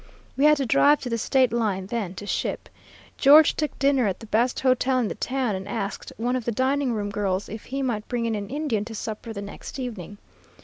We had to drive to the State line, then, to ship. George took dinner at the best hotel in the town, and asked one of the dining room girls if he might bring in an Indian to supper the next evening.